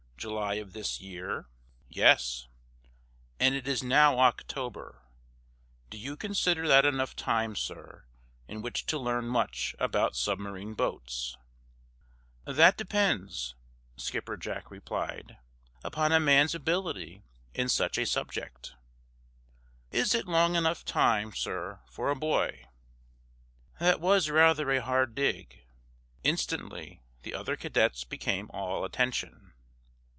"July of this year?" "Yes." "And it is now October. Do you consider that enough time, sir, in which to learn much about submarine boats?" "That depends," Skipper Jack replied, "upon a man's ability in such a subject." "Is it long enough time, sir, for a boy?" That was rather a hard dig. Instantly the other cadets became all attention.